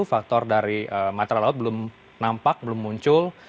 faktor dari matra laut belum nampak belum muncul